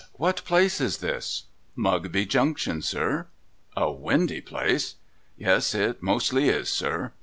What place is this ?'' Mugby Junction, sir.' ' A windy place !'' Yes, it mostly is, sir.'